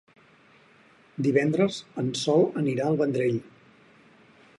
Divendres en Sol anirà al Vendrell.